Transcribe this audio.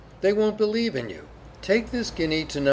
they won't believe in you! ... take this guinea to No.